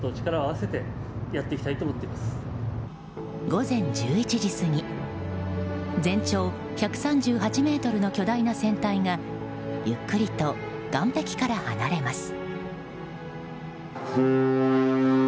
午前１１時過ぎ全長１３８ｍの巨大な船体がゆっくりと岸壁から離れます。